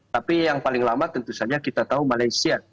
tapi yang paling lama tentu saja kita tahu malaysia